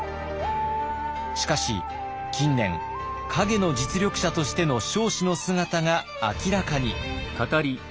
しかし近年陰の実力者としての彰子の姿が明らかに。